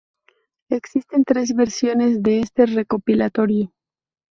Existen tres versiones de este recopilatorio.